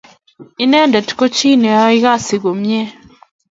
Inendet kochi neyae kazi komnye.